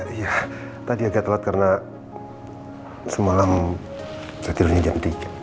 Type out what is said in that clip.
iya tadi agak telat karena semalam saya tidurnya jam tiga